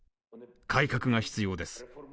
改革が必要です。